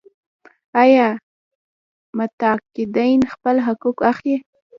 آیا متقاعدین خپل حقوق اخلي؟